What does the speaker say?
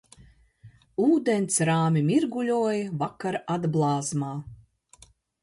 Ūdens rāmi mirguļoja vakara atblāzmā